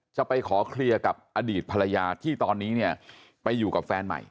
จะไปขอเคลียร์กับอดีตภรรยาที่ตอนนี้เนี่ยไปอยู่กับแฟนใหม่